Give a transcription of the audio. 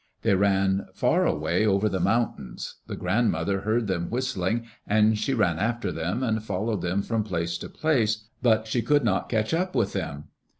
They ran far away over the mountains. The grandmother heard them whistling and she ran after them and followed them from place to place, but she could not catch up with them.